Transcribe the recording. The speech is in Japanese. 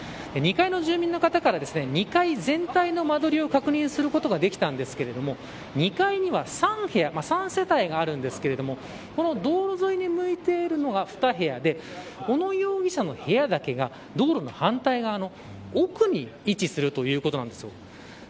２階の住民の方は２階全体の間取りを確認することができたんですが２階には３世帯があるんですがこの道路沿いに向いているのが２部屋で小野容疑者の部屋だけが道路の反対側の奥に位置するということなんです。